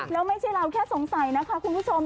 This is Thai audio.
แล้วไม่ใช่เราแค่สงสัยนะคะคุณผู้ชม